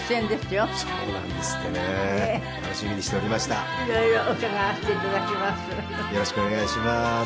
よろしくお願いします。